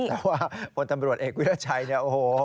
แต่ว่าผลตำรวจเอกวิทยาชัยโอ้โฮ